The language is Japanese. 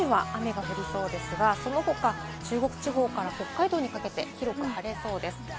きょう昼すぎですが、九州は雨が降りそうですが、その他、中国地方から北海道にかけて広く晴れそうです。